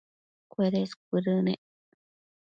cuedes cuëdënec